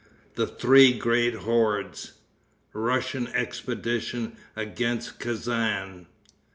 The Three Great Hordes. Russian Expedition Against Kezan.